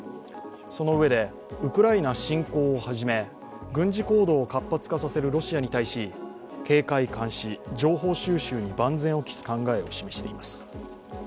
そのうえで、ウクライナ侵攻をはじめ軍事行動を活発化させるロシアに対して警戒監視、情報収集に万全を期す考えを示しています。